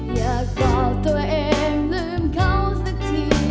อยากบอกตัวเองลืมเขาสักที